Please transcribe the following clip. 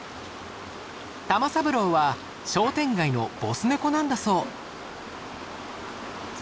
玉三郎は商店街のボスネコなんだそう。